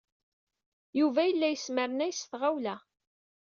Yuba yella yesmernay s tɣawla.